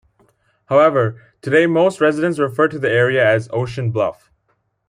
However, today most residents refer to the area as "Ocean Bluff".